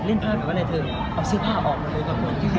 เล่นผ้าเหมือนว่าอะไรเธอเอาเสื้อผ้าออกมาเลยครับคุณ